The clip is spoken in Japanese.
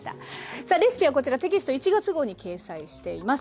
さあレシピはこちらテキスト１月号に掲載しています。